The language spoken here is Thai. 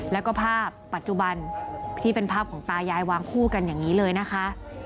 แล้วก็ภาพปัจจุบันที่เป็นภาพของตายายวางคู่กันอย่างนี้เลยนะคะ